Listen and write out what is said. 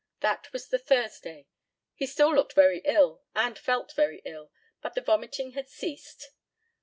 That was the Thursday. He still looked very ill, and felt very ill; but the vomiting had ceased.